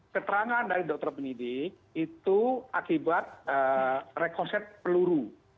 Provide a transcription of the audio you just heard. keterangan dari dokter penyidik itu akibat rekonset peluru